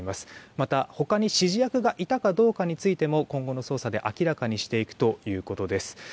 また他に指示役がいたかについても今後の捜査で明らかにしていくということです。